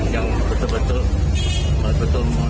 yang betul betul menangkap perasaan orang lain